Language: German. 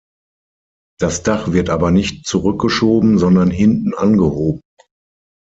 Das Dach wird aber nicht zurückgeschoben, sondern hinten angehoben.